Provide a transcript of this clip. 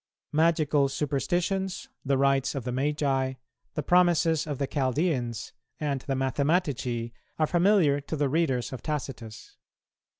"Magical superstitions," the "rites of the Magi," the "promises of the Chaldeans," and the "Mathematici," are familiar to the readers of Tacitus.